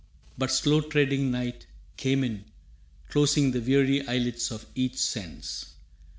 But slow treading night came in Closing the weary eyelids of each sense.